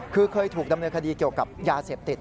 คือเคยถูกดำเนินคดีเกี่ยวกับยาเสพติด